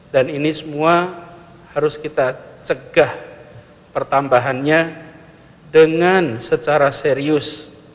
dan ini semua harus kita cegah pertambahannya dengan secara serius